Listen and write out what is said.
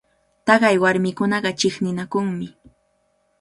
Taqay warmikunaqa chiqninakunmi.